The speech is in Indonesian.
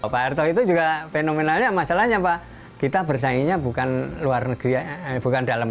pak erto itu juga fenomenalnya masalahnya pak kita bersaingnya bukan luar negeri bukan dalam